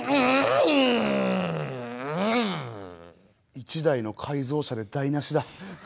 １台の改造車で台なしだ。